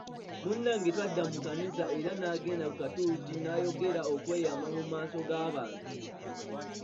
Munnange twadda mu kkanisa era n'agenda ku katuuti n'ayongera okweyama mu maaso g'abantu.